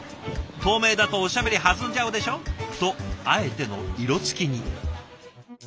「透明だとおしゃべり弾んじゃうでしょ」とあえての色つきに。